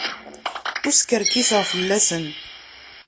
Ur skerkiseɣ fell-asen.